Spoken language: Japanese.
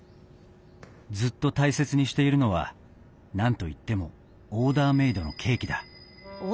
ずっと大切にしているのは何といってもオーダーメードのケーキだ。